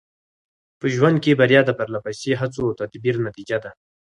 په ژوند کې بریا د پرله پسې هڅو او تدبیر نتیجه ده.